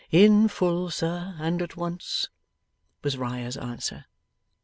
'In full, sir, and at once,' was Riah's answer.